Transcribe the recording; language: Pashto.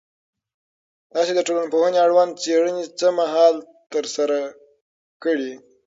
تاسو د ټولنپوهنې اړوند څېړنې څه مهال ترسره کړي؟